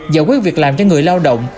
giải quyết việc làm cho người lao động